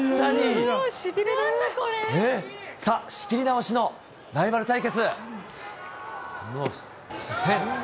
さあ、仕切り直しのライバル対決。